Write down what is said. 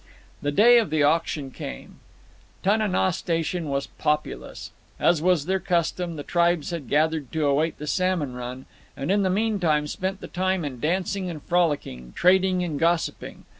The day of the auction came. Tana naw Station was populous. As was their custom, the tribes had gathered to await the salmon run, and in the meantime spent the time in dancing and frolicking, trading and gossiping.